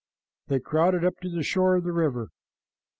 They crowded up to the shore of the river.